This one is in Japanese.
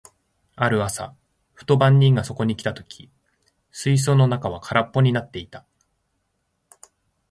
ある朝、ふと番人がそこに来た時、水槽の中は空っぽになっていた。